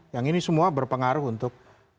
yang ini semua berpengaruh untuk dua ribu sembilan belas